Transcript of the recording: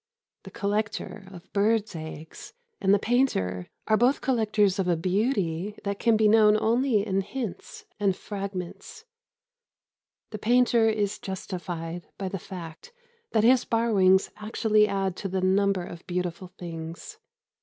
The collector of birds' eggs and the painter are both collectors of a beauty that can be known only in hints and fragments. Still, the painter is justified by the fact that his borrowings actually add to the number of beautiful things.